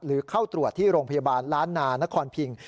เข้าตรวจที่โรงพยาบาลล้านนานครพิง